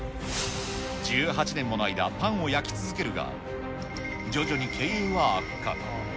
１８年もの間、パンを焼き続けるが、徐々に経営は悪化。